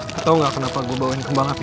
lo tau gak kenapa gue bawain kembang api